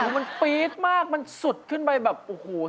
มันปี๊ดมากมันสุดขึ้นไปแบบโอ้โห